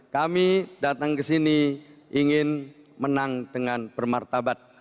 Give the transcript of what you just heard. kami datang kesini ingin menang dengan bermartabat